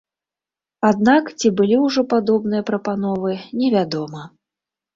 Аднак, ці былі ўжо падобныя прапановы, невядома.